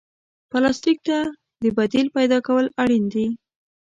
پلاستيک ته د بدیل پیدا کول اړین دي.